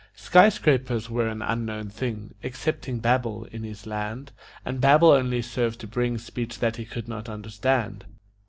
Skyscrapers were an unknown thing, Excepting Babel, in his land, And Babel only served to bring Speech that he could not understand.